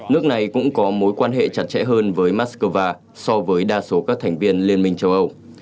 nước này cũng có mối quan hệ chặt chẽ hơn với moscow so với đa số các thành viên liên minh châu âu